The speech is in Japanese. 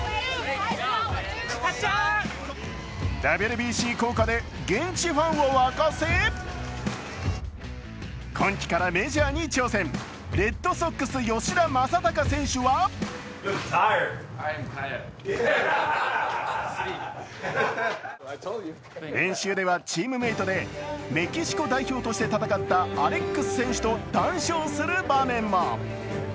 ＷＢＣ効果で現地ファンを沸かせ今季からメジャーに挑戦レッドソックス・吉田正尚選手は練習ではチームメイトでメキシコ代表として戦ったアレックス選手と談笑する場面も。